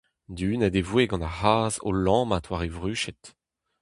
Dihunet e voe gant ar c'hazh o lammat war e vruched.